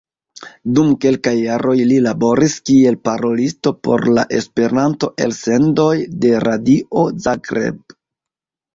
Dum kelkaj jaroj li laboris kiel parolisto por la Esperanto-elsendoj de Radio Zagreb.